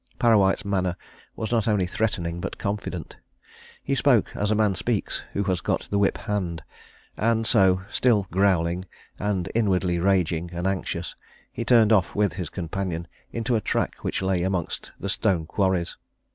Parrawhite's manner was not only threatening but confident. He spoke as a man speaks who has got the whip hand. And so, still growling, and inwardly raging and anxious, he turned off with his companion into a track which lay amongst the stone quarries.